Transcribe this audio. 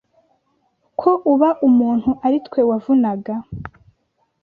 ko uba umuntu ari twe wavunaga